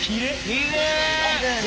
きれいね。